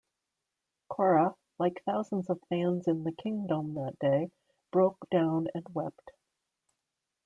Cora, like thousands of fans in the Kingdome that day, broke down and wept.